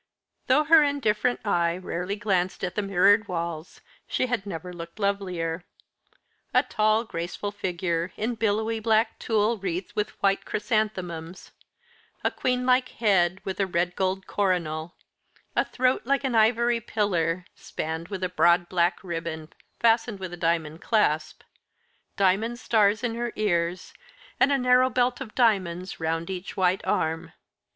Though her indifferent eye rarely glanced at the mirrored walls, she had never looked lovelier. A tall graceful figure, in billowy black tulle, wreathed with white chrysanthemums; a queen like head, with a red gold coronal; a throat like an ivory pillar, spanned with a broad black ribbon, fastened with a diamond clasp; diamond stars in her ears, and a narrow belt of diamonds round each white arm.